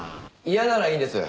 嫌ならいいんです。